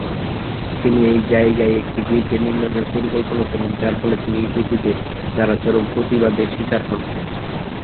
তিনি এই জায়গায় একটি গির্জা নির্মাণের পরিকল্পনা করেন যার ফলে তিনি ইহুদিদের দ্বারা চরম প্রতিবাদে শিকার হন।